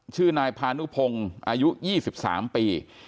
ชื่อนายพานุพงศ์อายุ๒๓ปี